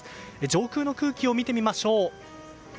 上空の空気を見てみましょう。